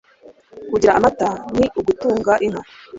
kugira amata nu ugutunga inka